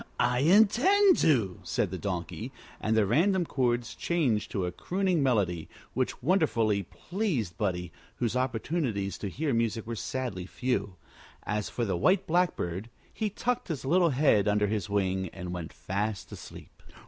"I intended to," said the Donkey; and the random chords changed to a crooning melody which wonderfully pleased Buddie, whose opportunities to hear music were sadly few. As for the White Blackbird, he tucked his little head under his wing and went fast asleep.